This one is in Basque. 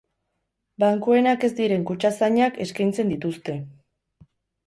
Bankuenak ez diren kutxazainak eskeintzen dituzte.